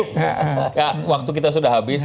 maka waktu kita sudah habis